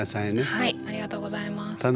ありがとうございます。